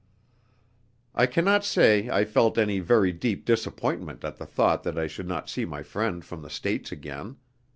I cannot say I felt any very deep disappointment at the thought that I should not see my friend from the States again.